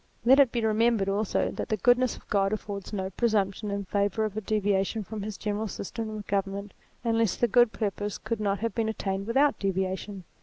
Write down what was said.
Let it be remembered also that the goodness of God affords no presumption in favour of a deviation from his general system of government unless the good purpose could not have been attained without deviation.